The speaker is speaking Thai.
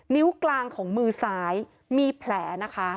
นิ้วกลางของมือซ้ายมีแผลนะคะ